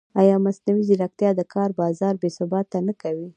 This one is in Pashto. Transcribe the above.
ایا مصنوعي ځیرکتیا د کار بازار بېثباته نه کوي؟